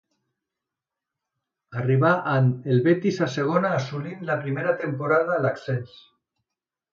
Arribà amb el Betis a segona, assolint la primera temporada l'ascens.